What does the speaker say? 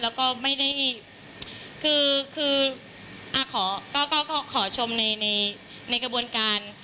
แล้วก็ไม่ได้คือขอก็ขอชมในกระบวนการ